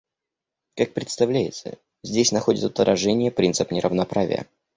Как представляется, здесь находит отражение принцип неравноправия.